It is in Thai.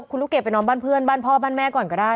คุณลูกเกดไปนอนบ้านเพื่อนบ้านพ่อบ้านแม่ก่อนก็ได้